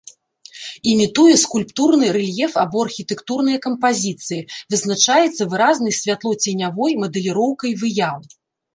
Імітуе скульптурны рэльеф або архітэктурныя кампазіцыі, вызначаецца выразнай святлоценявой мадэліроўкай выяў.